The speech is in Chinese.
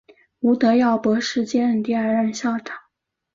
吴德耀博士接任第二任校长。